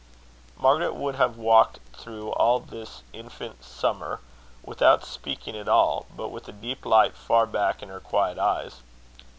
Margaret would have walked through all this infant summer without speaking at all, but with a deep light far back in her quiet eyes.